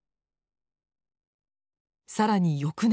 更に翌年。